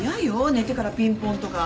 寝てからピンポンとか。